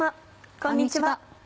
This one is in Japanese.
こんにちは。